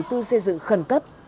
công trình xây dựng khẩn cấp